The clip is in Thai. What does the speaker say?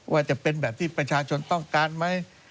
จะเป็นแบบที่ประชาชนต้องการไหม